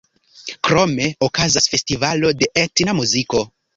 Krome okazas festivalo de etna muziko.